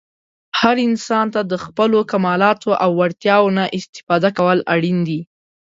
هر انسان ته د خپلو کمالاتو او وړتیاوو نه استفاده کول اړین دي.